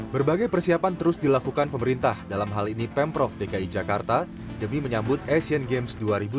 berbagai persiapan terus dilakukan pemerintah dalam hal ini pemprov dki jakarta demi menyambut asian games dua ribu delapan belas